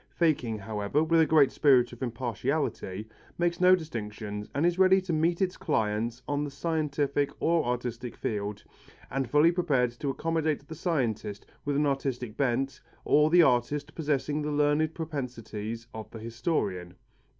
Faking, however, with a great spirit of impartiality, makes no distinctions and is ready to meet its clients on the scientific or artistic field, and fully prepared to accommodate the scientist with an artistic bent or the artist possessing the learned propensities of the historian.